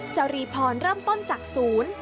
จรีพรเริ่มต้นจากศูนย์